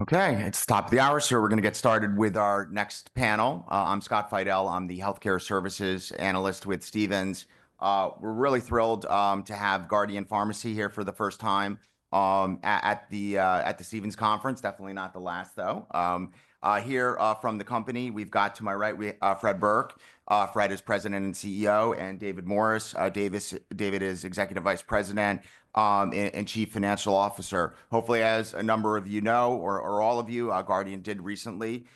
Okay, it's top of the hour, so we're going to get started with our next panel. I'm Scott Fidel. I'm the Healthcare Services Analyst with Stephens. We're really thrilled to have Guardian Pharmacy here for the first time at the Stephens Conference. Definitely not the last, though. Here from the company, we've got to my right, Fred Burke. Fred is President and CEO, and David Morris, David is Executive Vice President and Chief Financial Officer. Hopefully, as a number of you know, or all of you, Guardian did recently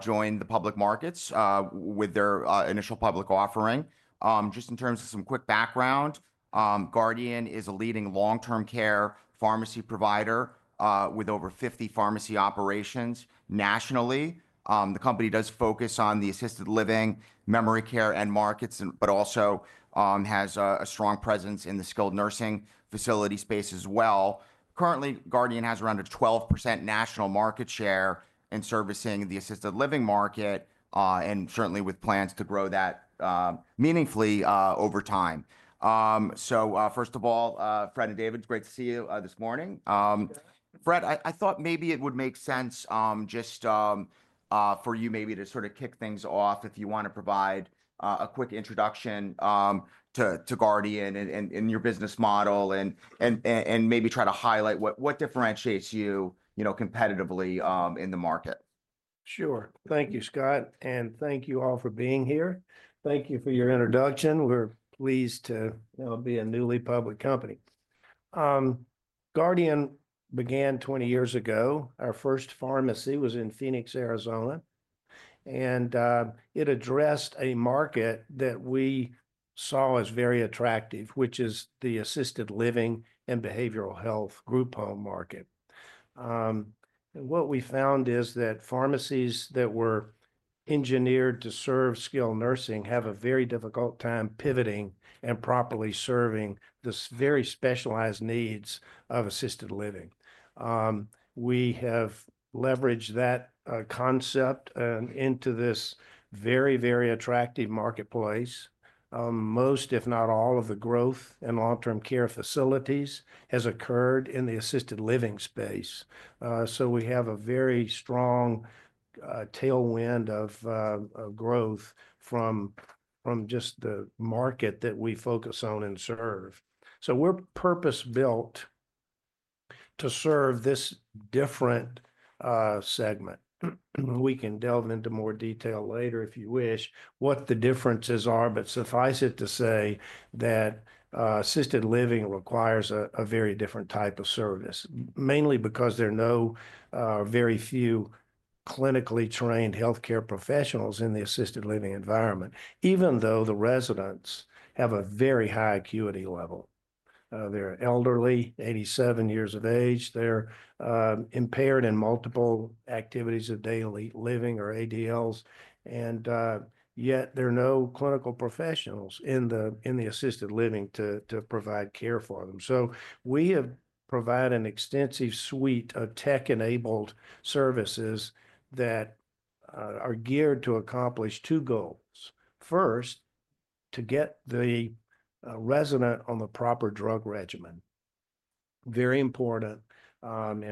join the public markets with their initial public offering. Just in terms of some quick background, Guardian is a leading long-term care pharmacy provider with over 50 pharmacy operations nationally. The company does focus on the assisted living, memory care, and markets, but also has a strong presence in the skilled nursing facility space as well. Currently, Guardian has around a 12% national market share in servicing the assisted living market, and certainly with plans to grow that meaningfully over time, so first of all, Fred and David, great to see you this morning. Fred, I thought maybe it would make sense just for you maybe to sort of kick things off if you want to provide a quick introduction to Guardian and your business model and maybe try to highlight what differentiates you competitively in the market. Sure. Thank you, Scott, and thank you all for being here. Thank you for your introduction. We're pleased to be a newly public company. Guardian began 20 years ago. Our first pharmacy was in Phoenix, Arizona, and it addressed a market that we saw as very attractive, which is the assisted living and behavioral health group home market. And what we found is that pharmacies that were engineered to serve skilled nursing have a very difficult time pivoting and properly serving the very specialized needs of assisted living. We have leveraged that concept into this very, very attractive marketplace. Most, if not all, of the growth in long-term care facilities has occurred in the assisted living space. So we have a very strong tailwind of growth from just the market that we focus on and serve. So we're purpose-built to serve this different segment. We can delve into more detail later if you wish, what the differences are, but suffice it to say that assisted living requires a very different type of service, mainly because there are very few clinically trained healthcare professionals in the assisted living environment, even though the residents have a very high acuity level. They're elderly, 87 years of age. They're impaired in multiple activities of daily living or ADLs, and yet there are no clinical professionals in the assisted living to provide care for them. So we have provided an extensive suite of tech-enabled services that are geared to accomplish two goals. First, to get the resident on the proper drug regimen. Very important. And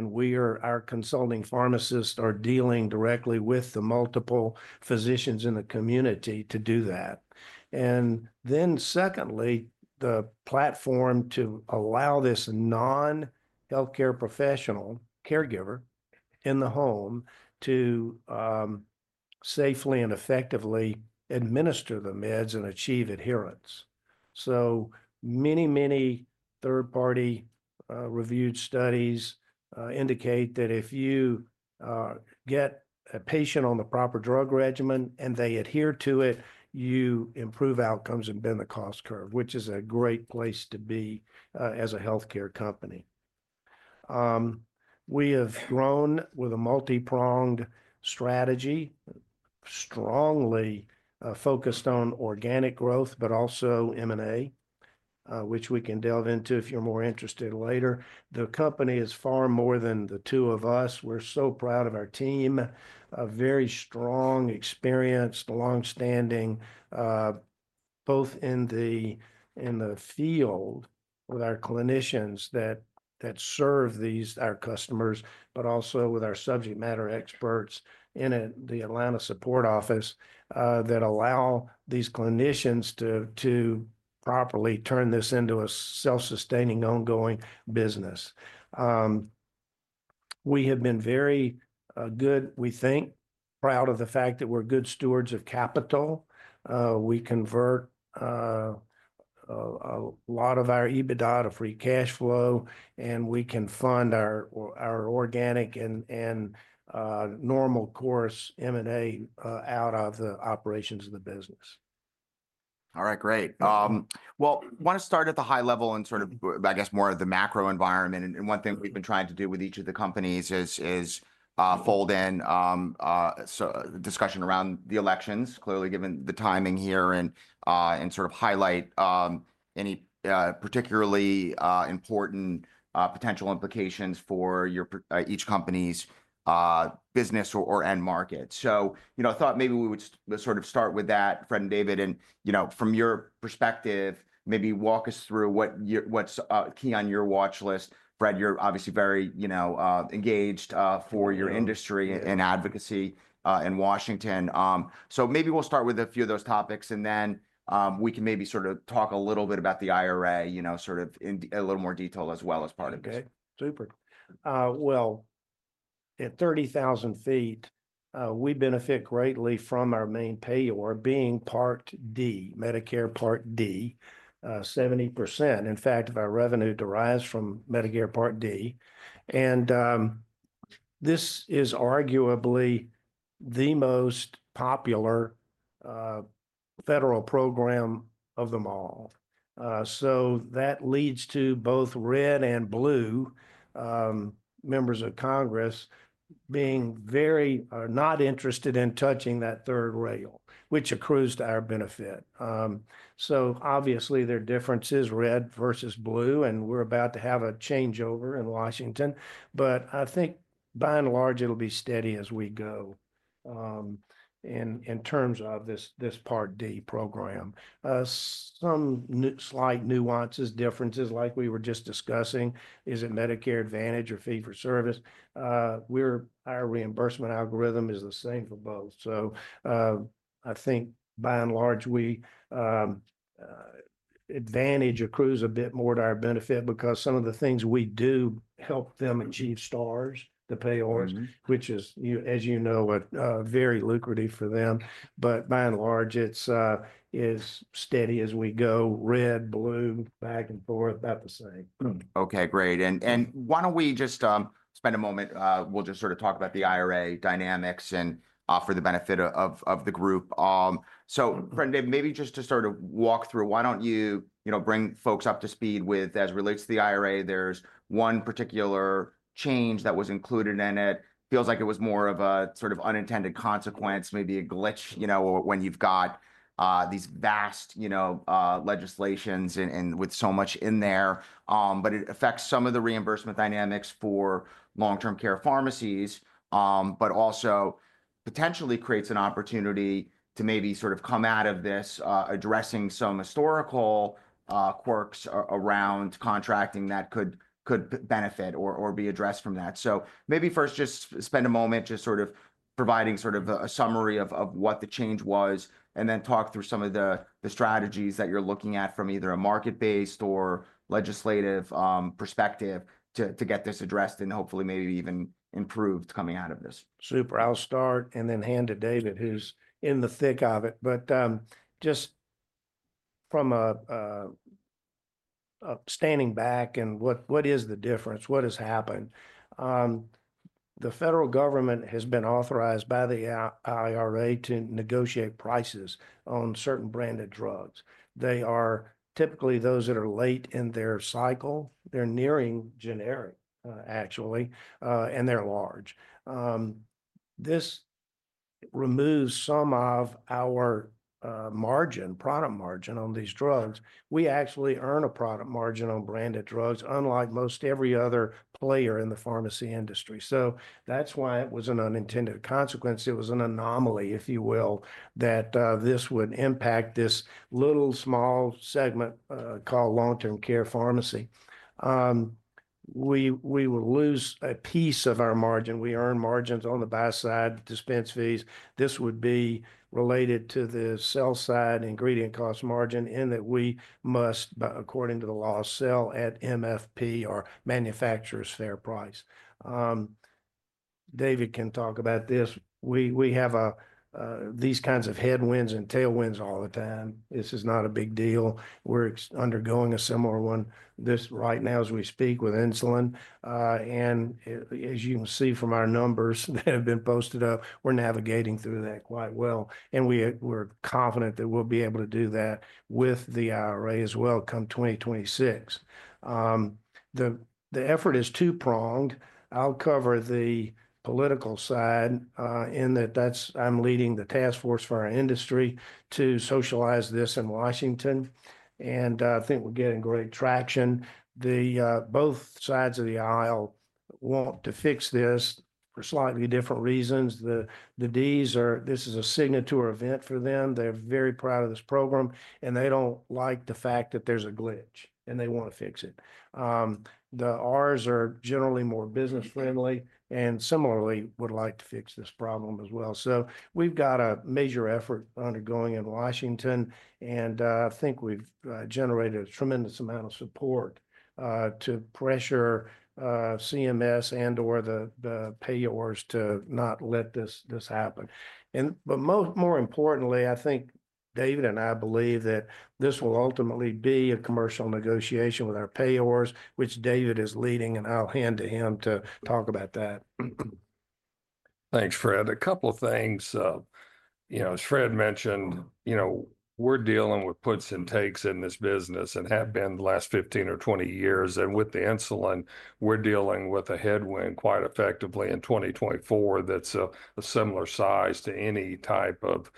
our consulting pharmacists are dealing directly with the multiple physicians in the community to do that. And then secondly, the platform to allow this non-healthcare professional caregiver in the home to safely and effectively administer the meds and achieve adherence. So many, many third-party reviewed studies indicate that if you get a patient on the proper drug regimen and they adhere to it, you improve outcomes and bend the cost curve, which is a great place to be as a healthcare company. We have grown with a multi-pronged strategy, strongly focused on organic growth, but also M&A, which we can delve into if you're more interested later. The company is far more than the two of us. We're so proud of our team, a very strong, experienced, long-standing, both in the field with our clinicians that serve our customers, but also with our subject matter experts in the Atlanta support office that allow these clinicians to properly turn this into a self-sustaining ongoing business. We have been very good, we think, proud of the fact that we're good stewards of capital. We convert a lot of our EBITDA to free cash flow, and we can fund our organic and normal course M&A out of the operations of the business. All right, great. Well, I want to start at the high level and sort of, I guess, more of the macro environment. And one thing we've been trying to do with each of the companies is fold in discussion around the elections, clearly given the timing here, and sort of highlight any particularly important potential implications for each company's business or end market. So I thought maybe we would sort of start with that, Fred and David, and from your perspective, maybe walk us through what's key on your watch list. Fred, you're obviously very engaged for your industry and advocacy in Washington. So maybe we'll start with a few of those topics, and then we can maybe sort of talk a little bit about the IRA, sort of in a little more detail as well as part of this. Okay, super. Well, at 30,000 feet, we benefit greatly from our main payor being Part D, Medicare Part D, 70%. In fact, of our revenue derives from Medicare Part D. And this is arguably the most popular federal program of them all. So that leads to both red and blue members of Congress being very not interested in touching that third rail, which accrues to our benefit. So obviously, their difference is red versus blue, and we're about to have a changeover in Washington. But I think by and large, it'll be steady as we go in terms of this Part D program. Some slight nuances, differences like we were just discussing, is it Medicare Advantage or fee-for-service? Our reimbursement algorithm is the same for both. So I think by and large, advantage accrues a bit more to our benefit because some of the things we do help them achieve stars, the payors, which is, as you know, very lucrative for them. But by and large, it's steady as we go. Red, blue, back and forth, about the same. Okay, great. And why don't we just spend a moment? We'll just sort of talk about the IRA dynamics and offer the benefit of the group. So Fred and David, maybe just to sort of walk through, why don't you bring folks up to speed with, as it relates to the IRA, there's one particular change that was included in it. Feels like it was more of a sort of unintended consequence, maybe a glitch when you've got these vast legislation and with so much in there. But it affects some of the reimbursement dynamics for long-term care pharmacies, but also potentially creates an opportunity to maybe sort of come out of this addressing some historical quirks around contracting that could benefit or be addressed from that. So, maybe first just spend a moment just sort of providing sort of a summary of what the change was, and then talk through some of the strategies that you're looking at from either a market-based or legislative perspective to get this addressed and hopefully maybe even improved coming out of this. Super. I'll start and then hand to David, who's in the thick of it. But just from standing back and what is the difference, what has happened, the federal government has been authorized by the IRA to negotiate prices on certain branded drugs. They are typically those that are late in their cycle. They're nearing generic, actually, and they're large. This removes some of our margin, product margin on these drugs. We actually earn a product margin on branded drugs, unlike most every other player in the pharmacy industry. So that's why it was an unintended consequence. It was an anomaly, if you will, that this would impact this little small segment called long-term care pharmacy. We will lose a piece of our margin. We earn margins on the buy side, dispense fees. This would be related to the sell side ingredient cost margin in that we must, according to the law, sell at MFP or manufacturer's fair price. David can talk about this. We have these kinds of headwinds and tailwinds all the time. This is not a big deal. We're undergoing a similar one right now as we speak with insulin, and as you can see from our numbers that have been posted up, we're navigating through that quite well. We're confident that we'll be able to do that with the IRA as well come 2026. The effort is two-pronged. I'll cover the political side in that I'm leading the task force for our industry to socialize this in Washington, and I think we're getting great traction. Both sides of the aisle want to fix this for slightly different reasons. The Ds are, this is a signature event for them. They're very proud of this program, and they don't like the fact that there's a glitch, and they want to fix it. The Rs are generally more business-friendly and similarly would like to fix this problem as well. So we've got a major effort undergoing in Washington, and I think we've generated a tremendous amount of support to pressure CMS and/or the payors to not let this happen. But more importantly, I think David and I believe that this will ultimately be a commercial negotiation with our payors, which David is leading, and I'll hand to him to talk about that. Thanks, Fred. A couple of things. As Fred mentioned, we're dealing with puts and takes in this business and have been the last 15 or 20 years. And with the insulin, we're dealing with a headwind quite effectively in 2024 that's a similar size to any type of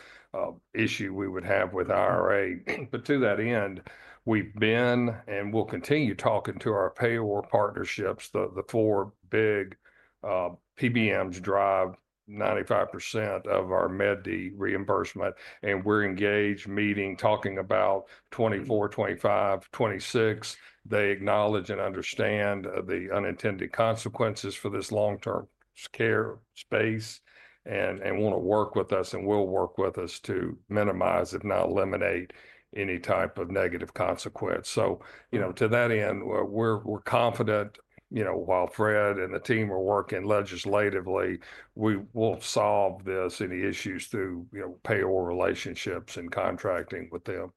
issue we would have with IRA. But to that end, we've been and will continue talking to our payor partnerships. The four big PBMs drive 95% of our Medicare Part D reimbursement, and we're engaged, meeting, talking about 2024, 2025, 2026. They acknowledge and understand the unintended consequences for this long-term care space and want to work with us and will work with us to minimize, if not eliminate, any type of negative consequence. So to that end, we're confident while Fred and the team are working legislatively, we will solve this and the issues through payor relationships and contracting with them.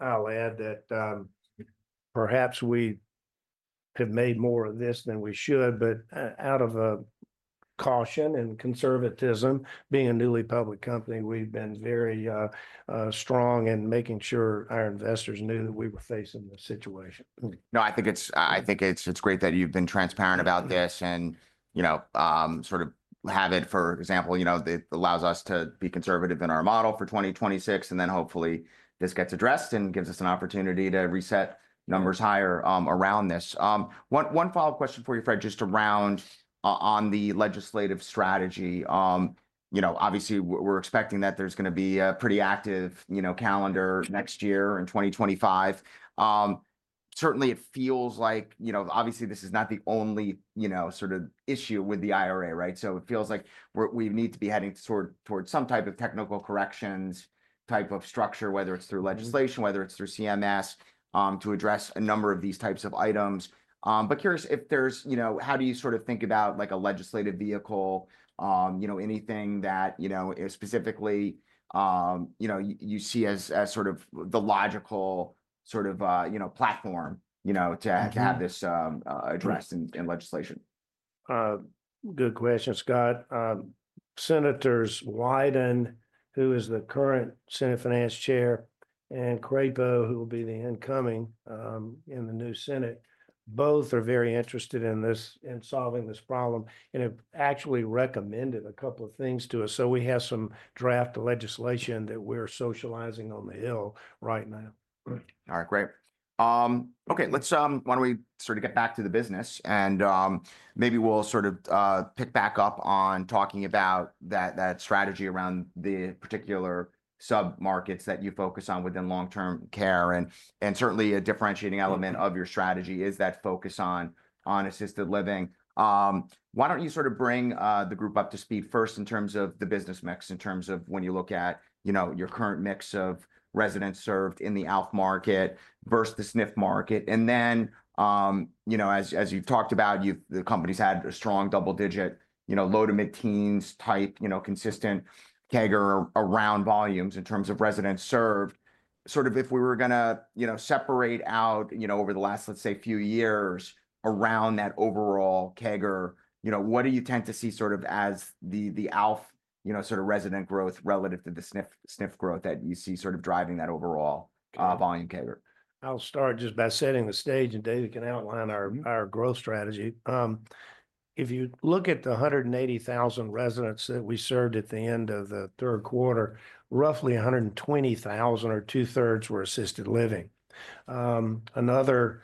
I'll add that perhaps we have made more of this than we should, but out of caution and conservatism, being a newly public company, we've been very strong in making sure our investors knew that we were facing this situation. No, I think it's great that you've been transparent about this and sort of have it, for example. It allows us to be conservative in our model for 2026, and then hopefully this gets addressed and gives us an opportunity to reset numbers higher around this. One follow-up question for you, Fred, just around the legislative strategy. Obviously, we're expecting that there's going to be a pretty active calendar next year in 2025. Certainly, it feels like, obviously, this is not the only sort of issue with the IRA, right, so it feels like we need to be heading towards some type of technical corrections type of structure, whether it's through legislation, whether it's through CMS, to address a number of these types of items. But, curious if there's how do you sort of think about a legislative vehicle, anything that specifically you see as sort of the logical sort of platform to have this addressed in legislation? Good question, Scott. Senators Wyden, who is the current Senate Finance Chair, and Crapo, who will be the incoming in the new Senate, both are very interested in solving this problem and have actually recommended a couple of things to us. So we have some draft legislation that we're socializing on the Hill right now. All right, great. Okay, let's sort of get back to the business, and maybe we'll sort of pick back up on talking about that strategy around the particular sub-markets that you focus on within long-term care. And certainly, a differentiating element of your strategy is that focus on assisted living. Why don't you sort of bring the group up to speed first in terms of the business mix, in terms of when you look at your current mix of residents served in the ALF market versus the SNF market? And then as you've talked about, the company's had a strong double-digit, low-to-mid-teens type consistent CAGR around volumes in terms of residents served. Sort of if we were going to separate out over the last, let's say, few years around that overall CAGR, what do you tend to see sort of as the ALF sort of resident growth relative to the SNF growth that you see sort of driving that overall volume CAGR? I'll start just by setting the stage, and David can outline our growth strategy. If you look at the 180,000 residents that we served at the end of the third quarter, roughly 120,000 or 2/3 were assisted living. Another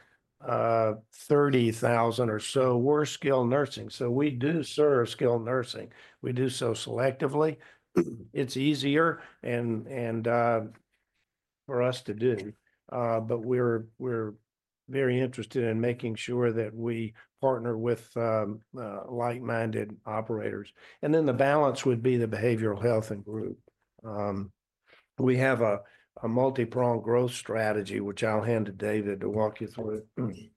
30,000 or so were skilled nursing. So we do serve skilled nursing. We do so selectively. It's easier for us to do, but we're very interested in making sure that we partner with like-minded operators. And then the balance would be the behavioral health and group. We have a multi-pronged growth strategy, which I'll hand to David to walk you through it.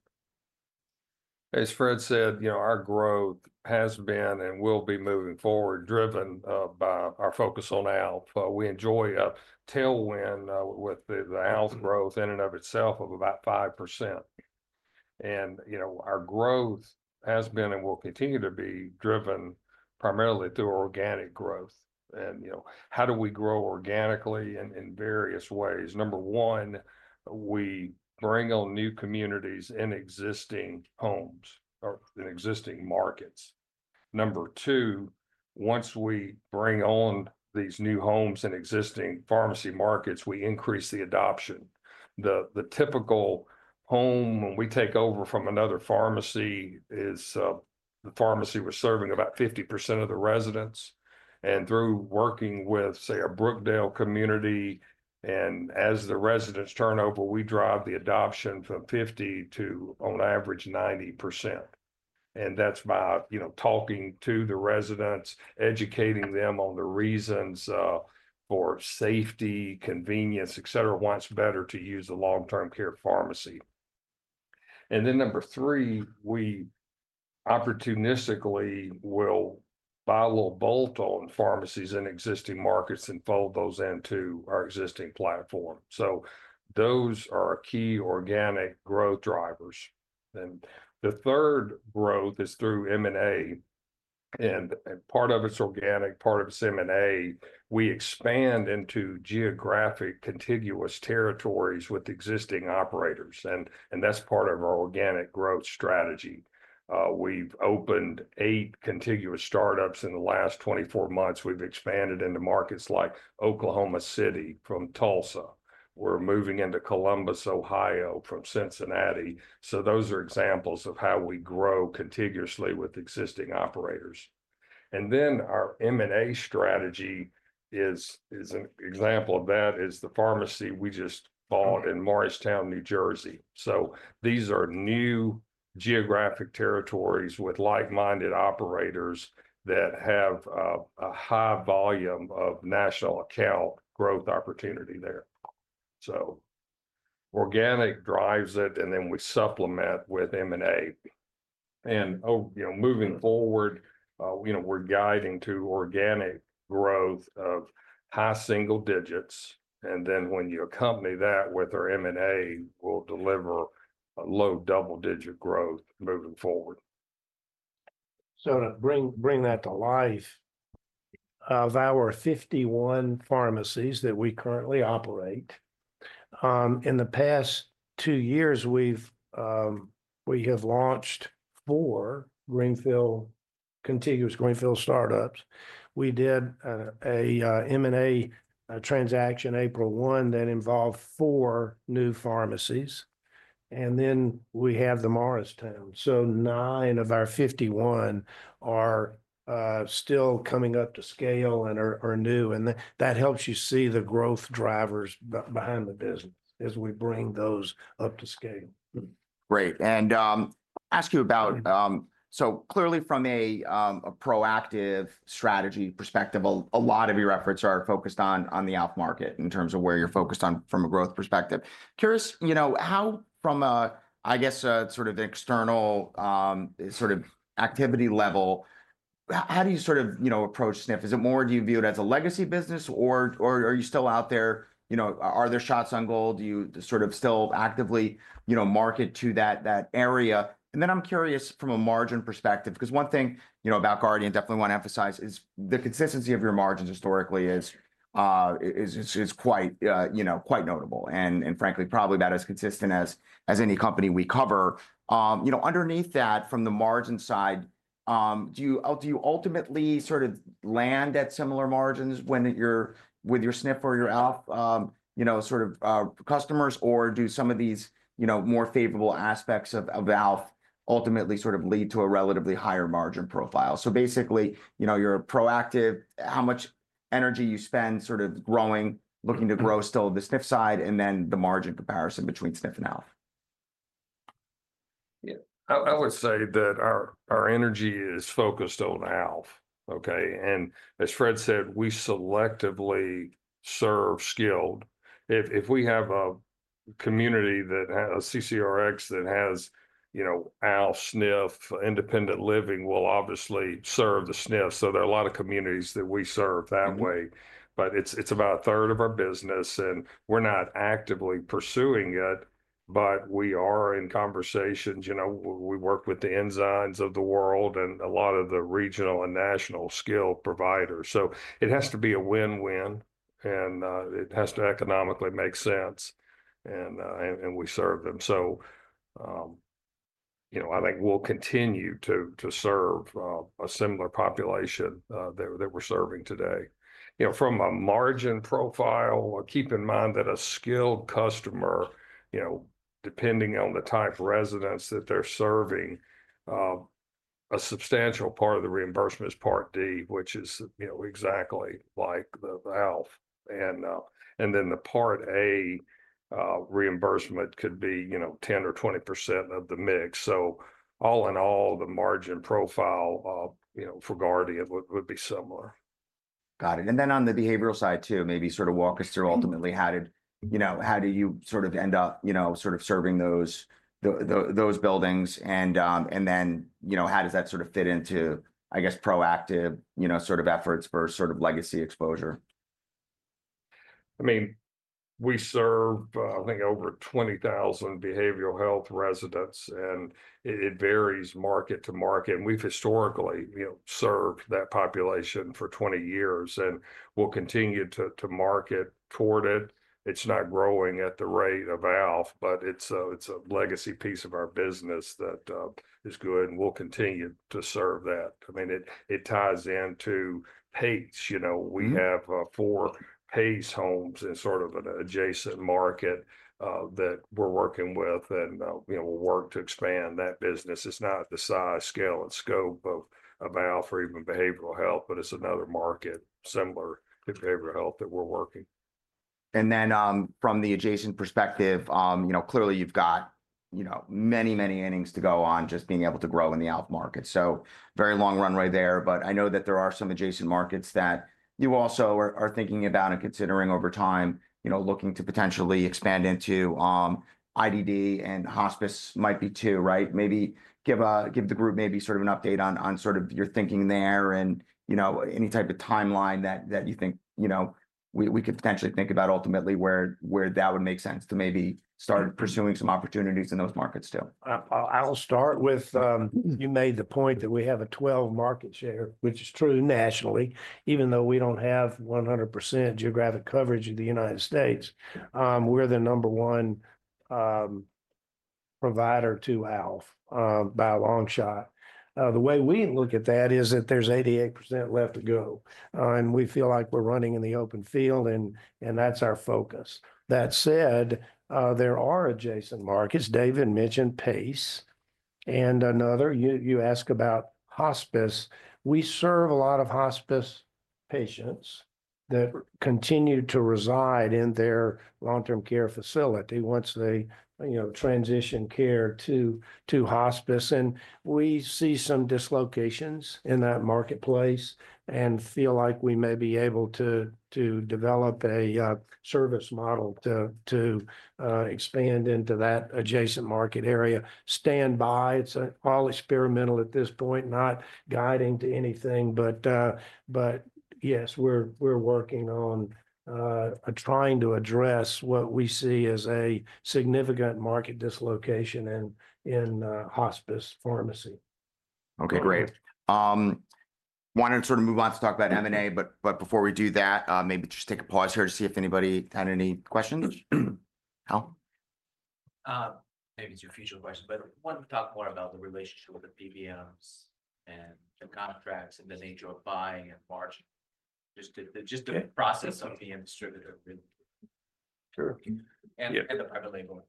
As Fred said, our growth has been and will be moving forward driven by our focus on ALF. We enjoy a tailwind with the ALF growth in and of itself of about 5%. And our growth has been and will continue to be driven primarily through organic growth. And how do we grow organically in various ways? Number one, we bring on new communities in existing homes or in existing markets. Number two, once we bring on these new homes in existing pharmacy markets, we increase the adoption. The typical home when we take over from another pharmacy is the pharmacy we're serving about 50% of the residents. And through working with, say, a Brookdale community, and as the residents turnover, we drive the adoption from 50 to, on average, 90%. And that's by talking to the residents, educating them on the reasons for safety, convenience, et cetera, why it's better to use a long-term care pharmacy. And then number three, we opportunistically will bolt-on pharmacies in existing markets and fold those into our existing platform. So those are key organic growth drivers. And the third growth is through M&A. And part of it's organic, part of it's M&A, we expand into geographic contiguous territories with existing operators. And that's part of our organic growth strategy. We've opened eight contiguous startups in the last 24 months. We've expanded into markets like Oklahoma City from Tulsa. We're moving into Columbus, Ohio, from Cincinnati. So those are examples of how we grow contiguously with existing operators. And then our M&A strategy is an example of that, the pharmacy we just bought in Morristown, New Jersey. So these are new geographic territories with like-minded operators that have a high volume of national account growth opportunity there. So organic drives it, and then we supplement with M&A. And moving forward, we're guiding to organic growth of high single digits. And then when you accompany that with our M&A, we'll deliver a low double-digit growth moving forward. So, to bring that to life, of our 51 pharmacies that we currently operate, in the past two years, we have launched four contiguous Greenfield startups. We did an M&A transaction April 1 that involved four new pharmacies. And then we have the Morristown. So, nine of our 51 are still coming up to scale and are new. And that helps you see the growth drivers behind the business as we bring those up to scale. Great. And I'll ask you about, so clearly from a proactive strategy perspective, a lot of your efforts are focused on the ALF market in terms of where you're focused on from a growth perspective. Curious, how, from a, I guess, sort of external sort of activity level, how do you sort of approach SNF? Is it more do you view it as a legacy business, or are you still out there? Are there shots on goal? Do you sort of still actively market to that area? And then I'm curious from a margin perspective, because one thing about Guardian, definitely want to emphasize, is the consistency of your margins historically is quite notable. And frankly, probably about as consistent as any company we cover. Underneath that, from the margin side, do you ultimately sort of land at similar margins with your SNF or your ALF sort of customers, or do some of these more favorable aspects of ALF ultimately sort of lead to a relatively higher margin profile? So basically, you're proactive, how much energy you spend sort of growing, looking to grow still the SNF side, and then the margin comparison between SNF and ALF? Yeah, I would say that our energy is focused on ALF. Okay? And as Fred said, we selectively serve skilled. If we have a community that has a CCRC that has ALF, SNF, independent living, we'll obviously serve the SNF. So there are a lot of communities that we serve that way. But it's about a third of our business, and we're not actively pursuing it, but we are in conversations. We work with the Ensign of the World and a lot of the regional and national skilled providers. So it has to be a win-win, and it has to economically make sense, and we serve them. So I think we'll continue to serve a similar population that we're serving today. From a margin profile, keep in mind that a skilled customer, depending on the type of residents that they're serving, a substantial part of the reimbursement is Part D, which is exactly like the ALF. And then the Part A reimbursement could be 10% or 20% of the mix. So all in all, the margin profile for Guardian would be similar. Got it. And then on the behavioral side too, maybe sort of walk us through ultimately how do you sort of end up sort of serving those buildings? And then how does that sort of fit into, I guess, proactive sort of efforts for sort of legacy exposure? I mean, we serve, I think, over 20,000 behavioral health residents, and it varies market to market, and we've historically served that population for 20 years, and we'll continue to market toward it. It's not growing at the rate of ALF, but it's a legacy piece of our business that is good, and we'll continue to serve that. I mean, it ties into Hayes. We have four Hayes homes in sort of an adjacent market that we're working with, and we'll work to expand that business. It's not the size, scale, and scope of ALF or even behavioral health, but it's another market similar to behavioral health that we're working. And then from the adjacent perspective, clearly you've got many, many innings to go on just being able to grow in the ALF market. So very long runway there. But I know that there are some adjacent markets that you also are thinking about and considering over time, looking to potentially expand into IDD and hospice might be too, right? Maybe give the group maybe sort of an update on sort of your thinking there and any type of timeline that you think we could potentially think about ultimately where that would make sense to maybe start pursuing some opportunities in those markets too. I'll start with, you made the point that we have a 12% market share, which is true nationally. Even though we don't have 100% geographic coverage of the United States, we're the number one provider to ALF by a long shot. The way we look at that is that there's 88% left to go, and we feel like we're running in the open field, and that's our focus. That said, there are adjacent markets. David mentioned PACE and another. You ask about hospice. We serve a lot of hospice patients that continue to reside in their long-term care facility once they transition care to hospice, and we see some dislocations in that marketplace and feel like we may be able to develop a service model to expand into that adjacent market area. Stand by. It's all experimental at this point, not guiding to anything. But yes, we're working on trying to address what we see as a significant market dislocation in hospice pharmacy. Okay, great. Wanted to sort of move on to talk about M&A, but before we do that, maybe just take a pause here to see if anybody had any questions. Hal? Maybe it's your future question, but wanted to talk more about the relationship with the PBMs and the contracts and the nature of buying and margin. Just the process of being a distributor. Sure. The private label.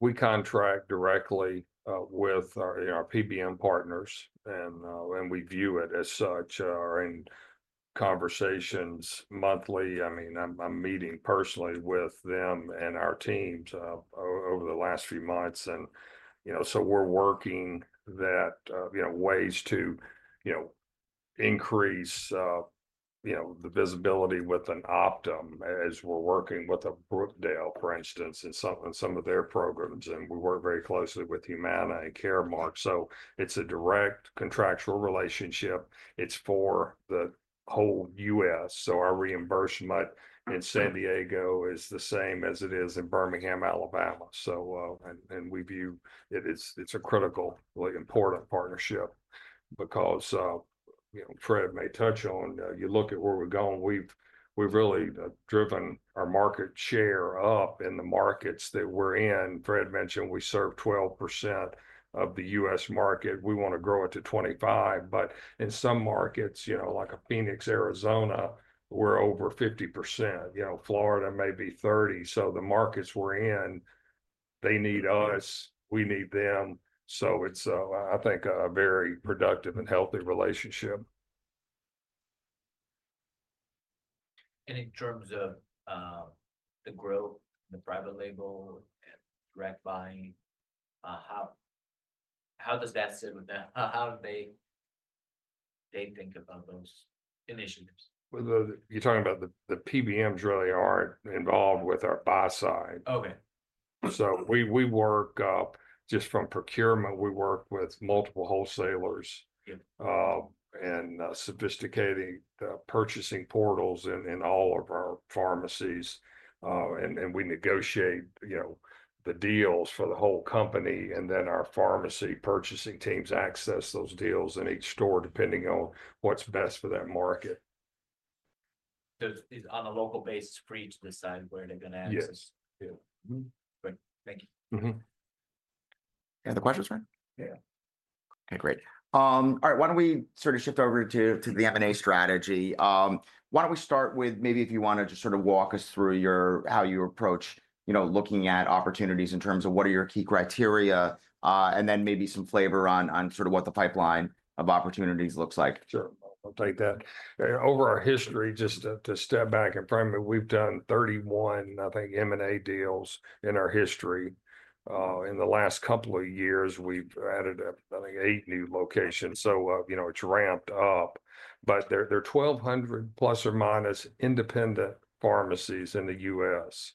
We contract directly with our PBM partners, and we view it as such. Our conversations monthly, I mean, I'm meeting personally with them and our teams over the last few months. And so we're working on ways to increase the visibility with Optum as we're working with Brookdale, for instance, and some of their programs. And we work very closely with Humana and Caremark. So it's a direct contractual relationship. It's for the whole U.S. So our reimbursement in San Diego is the same as it is in Birmingham, Alabama. And we view it as a critically important partnership because Fred may touch on, you look at where we're going, we've really driven our market share up in the markets that we're in. Fred mentioned we serve 12% of the U.S. market. We want to grow it to 25%. But in some markets, like Phoenix, Arizona, we're over 50%. Florida may be 30%. So the markets we're in, they need us. We need them. So it's, I think, a very productive and healthy relationship. In terms of the growth, the private label, direct buying, how does that sit with them? How do they think about those initiatives? You're talking about the PBMs really aren't involved with our buy side. So we work just from procurement. We work with multiple wholesalers and sophisticated purchasing portals in all of our pharmacies. And we negotiate the deals for the whole company. And then our pharmacy purchasing teams access those deals in each store depending on what's best for that market. So it's on a local basis for you to decide where they're going to access to. Yes. Great. Thank you. Any other questions, Fred? Yeah. Okay, great. All right. Why don't we sort of shift over to the M&A strategy? Why don't we start with maybe if you want to just sort of walk us through how you approach looking at opportunities in terms of what are your key criteria, and then maybe some flavor on sort of what the pipeline of opportunities looks like? Sure. I'll take that. Over our history, just to step back and frame it, we've done 31, I think, M&A deals in our history. In the last couple of years, we've added, I think, eight new locations. So it's ramped up. But there are 1,200 plus or minus independent pharmacies in the U.S.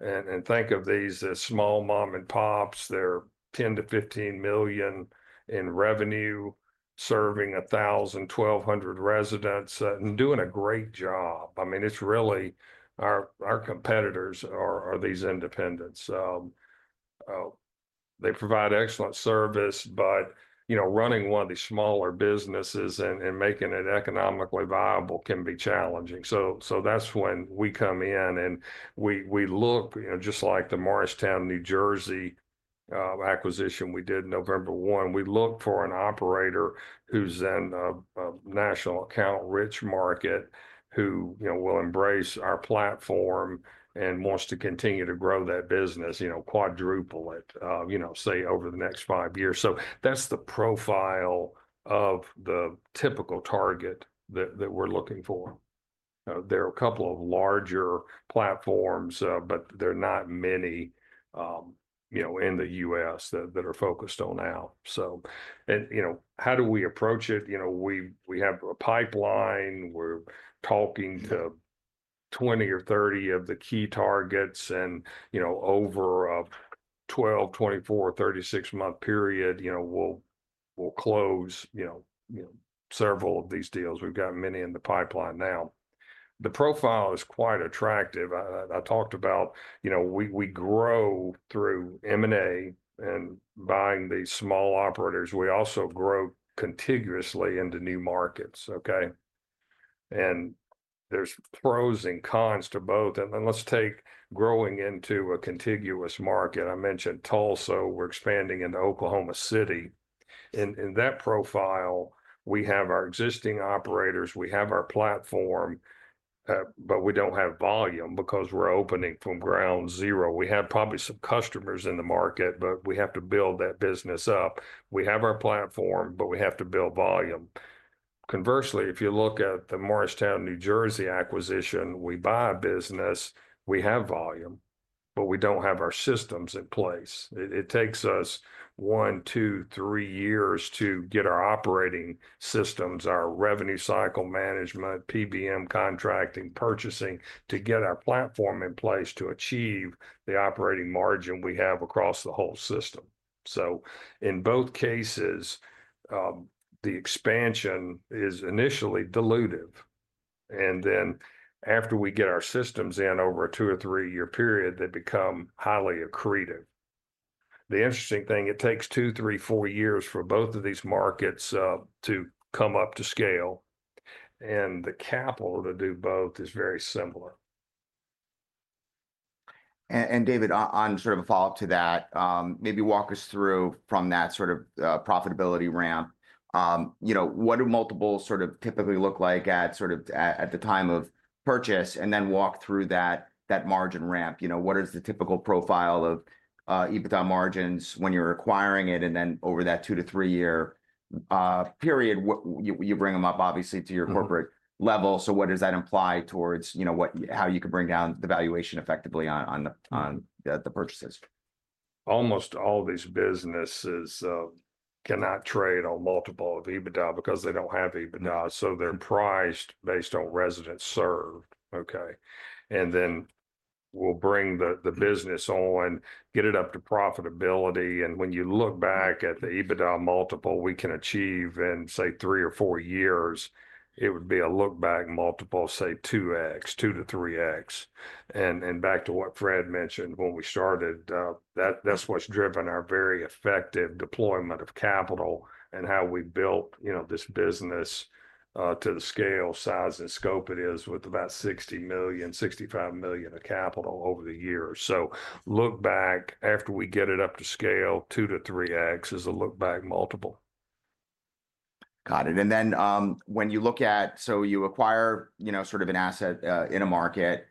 And think of these as small mom and pops. They're $10 million-$15 million in revenue, serving 1,000-1,200 residents and doing a great job. I mean, it's really our competitors are these independents. They provide excellent service, but running one of these smaller businesses and making it economically viable can be challenging. So that's when we come in. And we look, just like the Morristown, New Jersey acquisition we did November 1, we look for an operator who's in a national account rich market who will embrace our platform and wants to continue to grow that business, quadruple it, say, over the next five years. So that's the profile of the typical target that we're looking for. There are a couple of larger platforms, but there are not many in the U.S. that are focused on ALF. So how do we approach it? We have a pipeline. We're talking to 20 or 30 of the key targets. And over a 12, 24, 36-month period, we'll close several of these deals. We've got many in the pipeline now. The profile is quite attractive. I talked about we grow through M&A and buying these small operators. We also grow contiguously into new markets. Okay? And there's pros and cons to both. And then let's take growing into a contiguous market. I mentioned Tulsa. We're expanding into Oklahoma City. In that profile, we have our existing operators. We have our platform, but we don't have volume because we're opening from ground zero. We have probably some customers in the market, but we have to build that business up. We have our platform, but we have to build volume. Conversely, if you look at the Morristown, New Jersey acquisition, we buy a business. We have volume, but we don't have our systems in place. It takes us one, two, three years to get our operating systems, our revenue cycle management, PBM contracting, purchasing to get our platform in place to achieve the operating margin we have across the whole system. So in both cases, the expansion is initially dilutive. And then after we get our systems in over a two- or three-year period, they become highly accretive. The interesting thing, it takes two, three, four years for both of these markets to come up to scale. And the capital to do both is very similar. David, on sort of a follow-up to that, maybe walk us through from that sort of profitability ramp. What do multiple sort of typically look like at sort of at the time of purchase? And then walk through that margin ramp. What is the typical profile of EBITDA margins when you're acquiring it? And then over that two- to three-year period, you bring them up, obviously, to your corporate level. So what does that imply towards how you could bring down the valuation effectively on the purchases? Almost all these businesses cannot trade on multiple of EBITDA because they don't have EBITDA so they're priced based on residents served, okay? And then we'll bring the business on, get it up to profitability, and when you look back at the EBITDA multiple we can achieve in, say, three or four years, it would be a look-back multiple, say, 2x-3x, and back to what Fred mentioned when we started, that's what's driven our very effective deployment of capital and how we built this business to the scale, size, and scope it is with about $60 million-$65 million of capital over the years so look back after we get it up to scale, 2x-3x is a look-back multiple. Got it. And then when you look at, so you acquire sort of an asset in a market,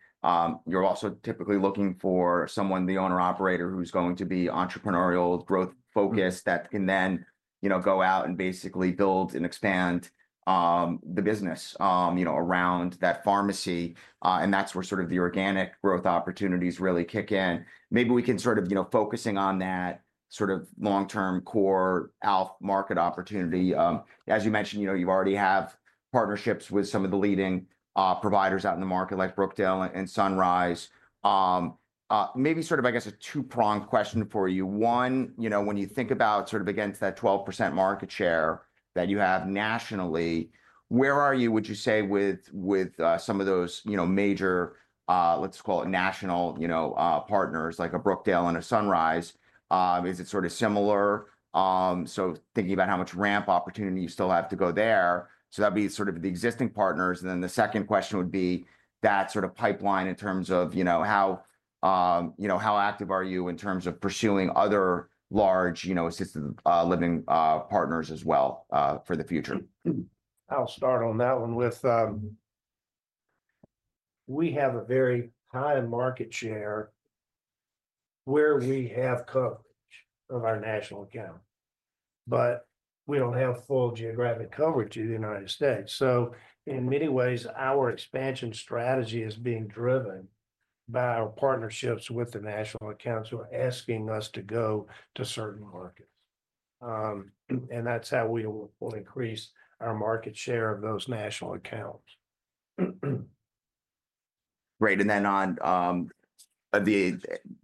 you're also typically looking for someone, the owner-operator, who's going to be entrepreneurial, growth-focused that can then go out and basically build and expand the business around that pharmacy. And that's where sort of the organic growth opportunities really kick in. Maybe we can sort of focus on that sort of long-term core ALF market opportunity. As you mentioned, you've already have partnerships with some of the leading providers out in the market like Brookdale and Sunrise. Maybe sort of, I guess, a two-pronged question for you. One, when you think about sort of against that 12% market share that you have nationally, where are you, would you say, with some of those major, let's call it national partners like a Brookdale and a Sunrise? Is it sort of similar? So, thinking about how much ramp opportunity you still have to go there. So that would be sort of the existing partners. And then the second question would be that sort of pipeline in terms of how active are you in terms of pursuing other large assisted living partners as well for the future? I'll start on that one with we have a very high market share where we have coverage of our national account. But we don't have full geographic coverage of the United States. So in many ways, our expansion strategy is being driven by our partnerships with the national accounts who are asking us to go to certain markets. And that's how we will increase our market share of those national accounts. Great. And then on the,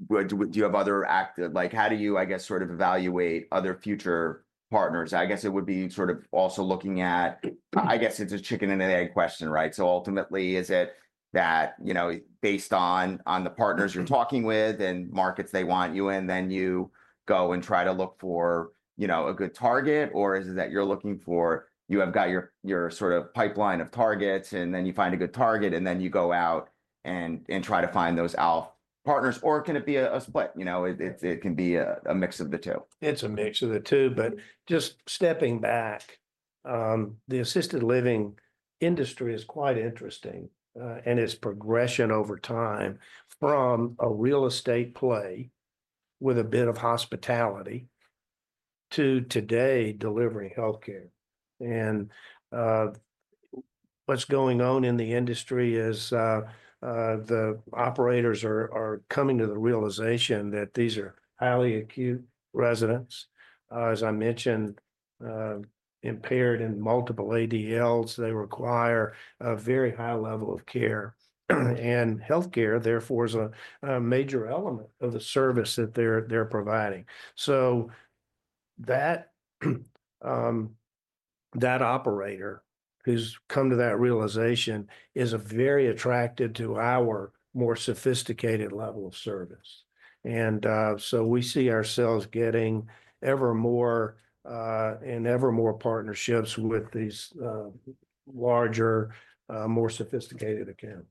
do you have other active? How do you, I guess, sort of evaluate other future partners? I guess it would be sort of also looking at, I guess it's a chicken and egg question, right? So ultimately, is it that based on the partners you're talking with and markets they want you in, then you go and try to look for a good target, or is it that you're looking for you have got your sort of pipeline of targets, and then you find a good target, and then you go out and try to find those ALF partners? Or can it be a split? It can be a mix of the two. It's a mix of the two. But just stepping back, the assisted living industry is quite interesting. And its progression over time from a real estate play with a bit of hospitality to today delivering healthcare. And what's going on in the industry is the operators are coming to the realization that these are highly acute residents. As I mentioned, impaired in multiple ADLs, they require a very high level of care. And healthcare, therefore, is a major element of the service that they're providing. So that operator who's come to that realization is very attracted to our more sophisticated level of service. And so we see ourselves getting ever more and ever more partnerships with these larger, more sophisticated accounts.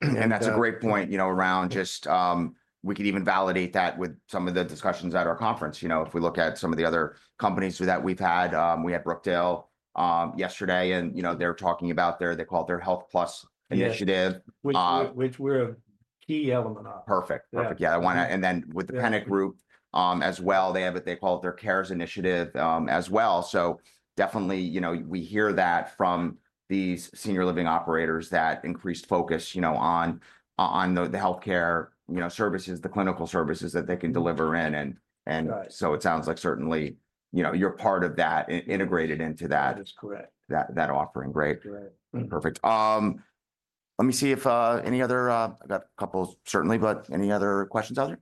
That's a great point around just we could even validate that with some of the discussions at our conference. If we look at some of the other companies that we've had, we had Brookdale yesterday, and they're talking about their. They call it their Health Plus initiative. Which we're a key element of. Perfect. Perfect. Yeah. And then with the Pennant Group as well, they have what they call it their Cares initiative as well. So definitely, we hear that from these senior living operators that increased focus on the healthcare services, the clinical services that they can deliver in. And so it sounds like certainly you're part of that integrated into that. That is correct. That offering. Great. Perfect. Let me see if any other. I've got a couple, certainly, but any other questions, other?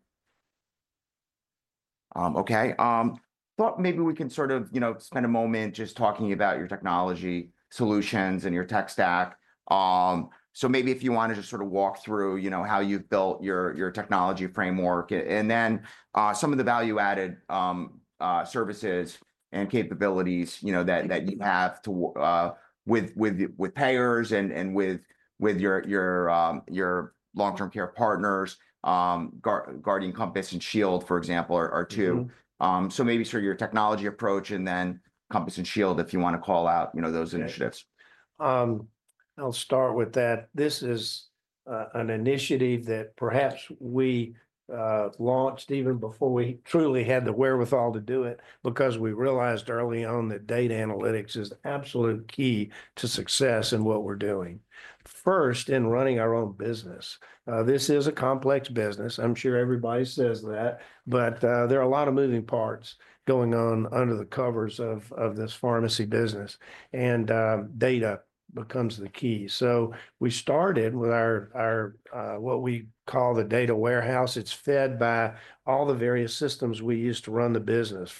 Okay. Thought maybe we can sort of spend a moment just talking about your technology solutions and your tech stack. So maybe if you want to just sort of walk through how you've built your technology framework and then some of the value-added services and capabilities that you have with payers and with your long-term care partners. Guardian, Compass, and Shield, for example, are two. So maybe sort of your technology approach and then Compass and Shield, if you want to call out those initiatives. I'll start with that. This is an initiative that perhaps we launched even before we truly had the wherewithal to do it because we realized early on that data analytics is the absolute key to success in what we're doing. First, in running our own business, this is a complex business. I'm sure everybody says that, but there are a lot of moving parts going on under the covers of this pharmacy business, and data becomes the key, so we started with what we call the data warehouse. It's fed by all the various systems we use to run the business: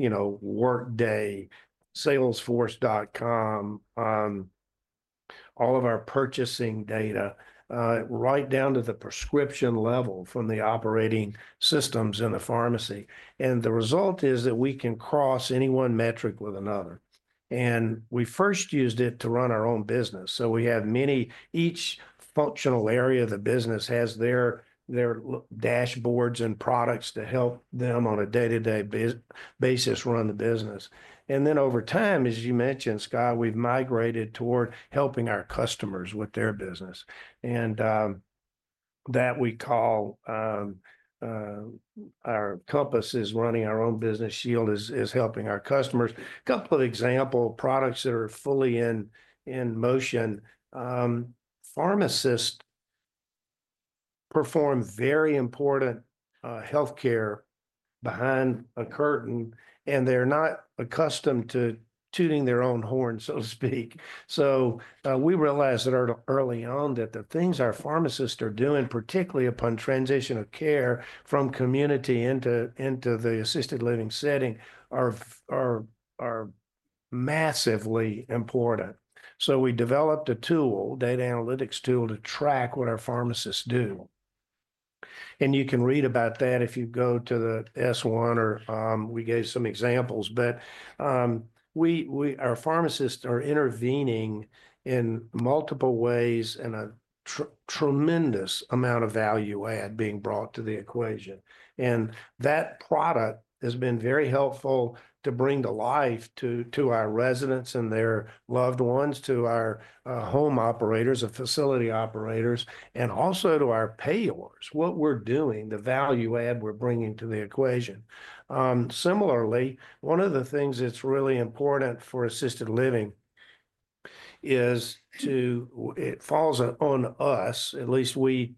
Workday, Salesforce.com, all of our purchasing data, right down to the prescription level from the operating systems in the pharmacy, and the result is that we can cross any one metric with another, and we first used it to run our own business. So we have many each functional area of the business has their dashboards and products to help them on a day-to-day basis run the business. And then over time, as you mentioned, Scott, we've migrated toward helping our customers with their business. And that we call our Compass is running our own business. Shield is helping our customers. A couple of example products that are fully in motion. Pharmacists perform very important healthcare behind a curtain, and they're not accustomed to tooting their own horn, so to speak. So we realized early on that the things our pharmacists are doing, particularly upon transition of care from community into the assisted living setting, are massively important. So we developed a tool, data analytics tool, to track what our pharmacists do. And you can read about that if you go to the S-1, or we gave some examples. But our pharmacists are intervening in multiple ways and a tremendous amount of value add being brought to the equation. And that product has been very helpful to bring to life to our residents and their loved ones, to our home operators, our facility operators, and also to our payors, what we're doing, the value add we're bringing to the equation. Similarly, one of the things that's really important for assisted living is it falls on us, at least we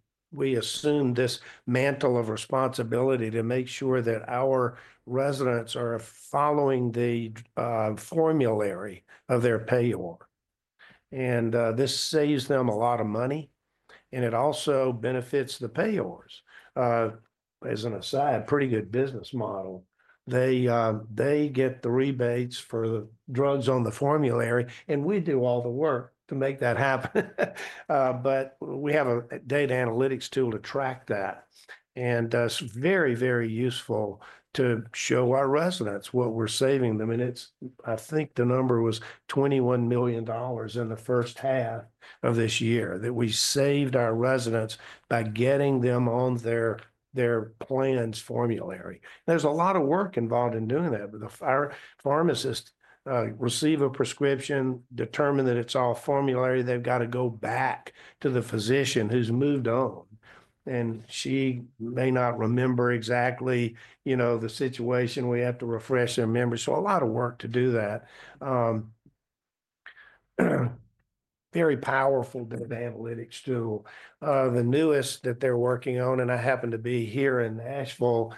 assume this mantle of responsibility to make sure that our residents are following the formulary of their payor. And this saves them a lot of money. And it also benefits the payors. As an aside, pretty good business model. They get the rebates for the drugs on the formulary. And we do all the work to make that happen. But we have a data analytics tool to track that. It's very, very useful to show our residents what we're saving them. I think the number was $21 million in the first half of this year that we saved our residents by getting them on their plan's formulary. There's a lot of work involved in doing that. Our pharmacists receive a prescription, determine that it's all formulary. They've got to go back to the physician who's moved on. And she may not remember exactly the situation. We have to refresh their memory. So a lot of work to do that. Very powerful data analytics tool. The newest that they're working on, and I happen to be here in Nashville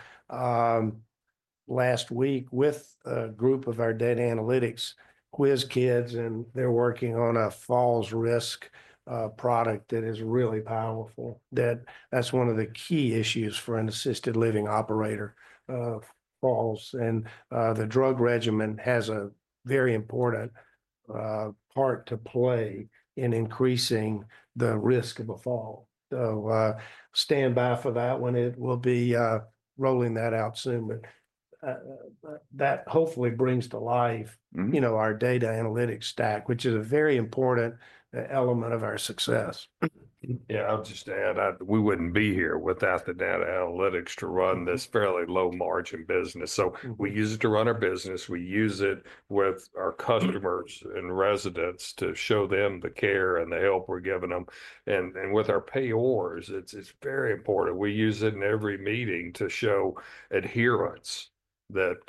last week with a group of our data analytics whiz kids, and they're working on a falls risk product that is really powerful. That's one of the key issues for an assisted living operator, falls. And the drug regimen has a very important part to play in increasing the risk of a fall. So stand by for that one. It will be rolling that out soon. But that hopefully brings to life our data analytics stack, which is a very important element of our success. Yeah. I'll just add, we wouldn't be here without the data analytics to run this fairly low-margin business. So we use it to run our business. We use it with our customers and residents to show them the care and the help we're giving them. And with our payors, it's very important. We use it in every meeting to show adherence that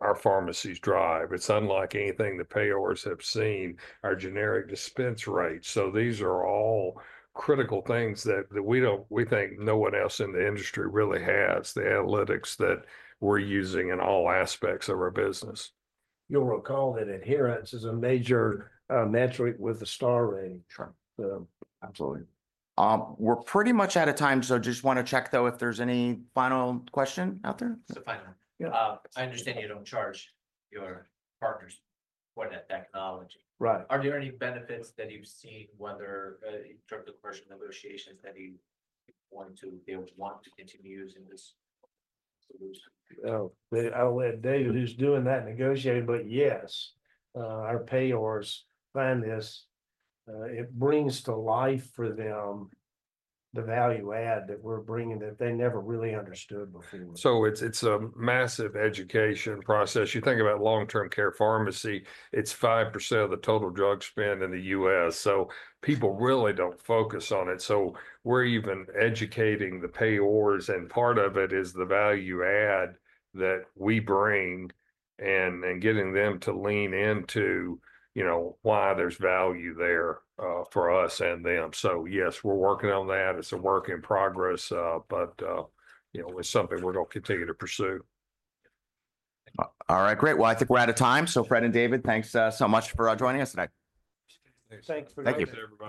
our pharmacies drive. It's unlike anything the payors have seen, our generic dispense rates. So these are all critical things that we think no one else in the industry really has, the analytics that we're using in all aspects of our business. You'll recall that adherence is a major metric with a star rating. Sure. Absolutely. We're pretty much out of time. So I just want to check, though, if there's any final question out there. Finally, I understand you don't charge your partners for that technology. Right. Are there any benefits that you've seen, whether in terms of commercial negotiations, that you want to continue using this solution? Oh, I'll let David, who's doing that, negotiate. But yes, our payors find this. It brings to life for them the value add that we're bringing that they never really understood before. So it's a massive education process. You think about long-term care pharmacy, it's 5% of the total drug spend in the U.S. So people really don't focus on it. So we're even educating the payors. And part of it is the value add that we bring and getting them to lean into why there's value there for us and them. So yes, we're working on that. It's a work in progress, but it's something we're going to continue to pursue. All right. Great. Well, I think we're out of time. So Fred and David, thanks so much for joining us tonight. Thanks for doing this. Thank you.